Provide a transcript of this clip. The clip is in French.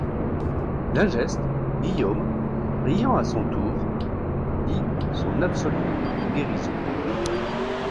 D'un geste, Guillaume, riant à son tour, dit son absolue guérison.